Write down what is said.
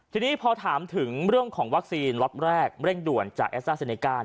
ทีนี้พอถามถึงเรื่องของวัคซีนล็อตแรกเร่งด่วนจากแอสต้าเซเนก้า